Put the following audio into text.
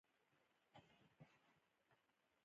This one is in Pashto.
آیا د چرګانو دانی له بهر راځي؟